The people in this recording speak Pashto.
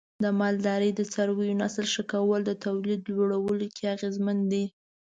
د مالدارۍ د څارویو نسل ښه کول د تولید لوړولو کې اغیزمن دی.